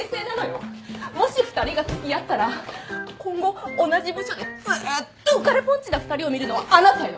もし２人が付き合ったら今後同じ部署でずっと浮かれぽんちな２人を見るのはあなたよ？